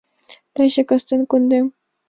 Таче кастен кондем...